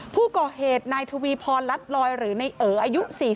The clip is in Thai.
ผู้ก่อเหตุนายทวีพรลัดลอยหรือในเอ๋ออายุ๔๐